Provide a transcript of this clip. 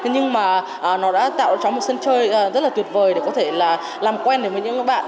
nhưng mà nó đã tạo cho một sân chơi rất là tuyệt vời để có thể là làm quen với những bạn